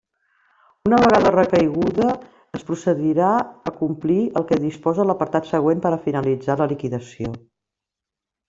Una vegada recaiguda, es procedirà a complir el que disposa l'apartat següent, per a finalitzar la liquidació.